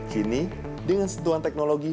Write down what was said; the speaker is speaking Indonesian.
kini dengan sentuhan teknologi